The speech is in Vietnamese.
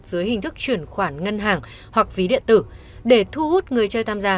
dưới hình thức chuyển khoản ngân hàng hoặc ví điện tử để thu hút người chơi tham gia